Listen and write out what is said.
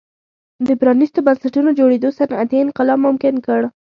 د پرانیستو بنسټونو جوړېدو صنعتي انقلاب ممکن کړ.